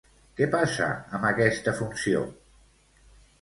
Què passa amb aquesta funció?